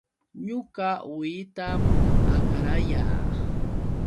Ñuqa uwihatam akrayaa